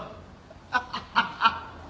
ハハハハッ！